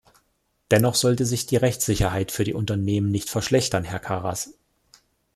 Dennoch sollte sich die Rechtssicherheit für die Unternehmen nicht verschlechtern, Herr Karas.